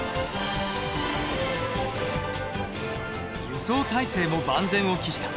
輸送体制も万全を期した。